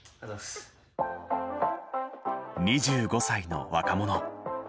２５歳の若者。